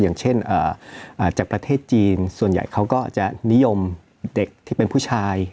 อย่างเช่นจากประเทศจีนส่วนใหญ่เขาก็จะนิยมเด็กที่เป็นผู้ชาย